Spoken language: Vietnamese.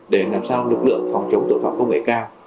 để làm sao lực lượng phòng chống tội phạm công nghệ cao